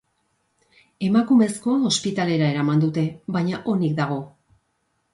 Emakumezkoa ospitalera eraman dute, baina onik dago.